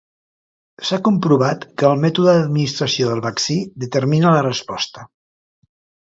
S'ha comprovat que el mètode d'administració del vaccí determina la resposta.